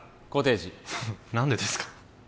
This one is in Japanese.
コテージ何でですか？